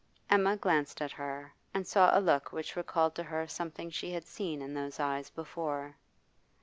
Emma glanced at her, and saw a look which recalled to her something she had seen in those eyes before.